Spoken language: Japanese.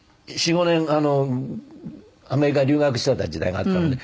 アメリカへ留学していた時代があったので。